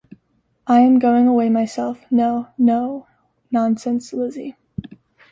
I am going away myself. No, no, nonsense, Lizzy.